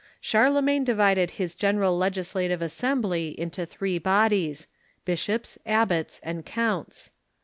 Charlemagne divided his general legislative assembly into three bodies — bishops, abbots, and counts.